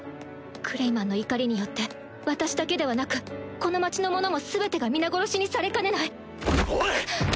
クレイマンの怒りによって私だけではなくこの町の者も全てが皆殺しにされかねないおい！